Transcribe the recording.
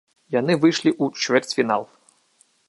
Яны выйшлі ў чвэрцьфінал.